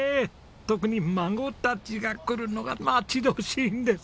特に孫たちが来るのが待ち遠しいんです。